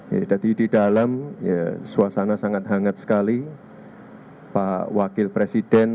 jadi di dalam suasana sangat hangat sekali pak wakil presiden